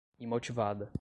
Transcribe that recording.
imotivada